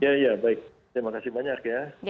ya ya baik terima kasih banyak ya